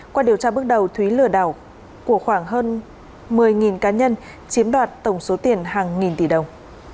qua điều tra bước đầu thúy lừa đảo của khoảng hơn một mươi cá nhân chiếm đoạt tổng số tiền hàng nghìn tỷ đồng